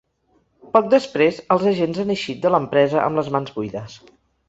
Poc després els agents han eixit de l’empresa amb les mans buides.